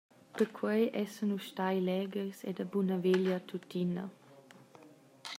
Perquei essan nus stai leghers e da bunaveglia tuttina.